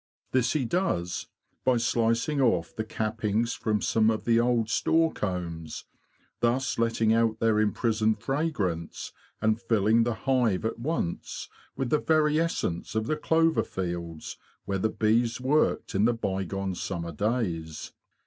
This he does by slicing off the cappings from some of the old store combs, thus letting out their imprisoned fragrance, and filling the hive at once with the very essence of the clover fields where the bees worked in the bygone summer days.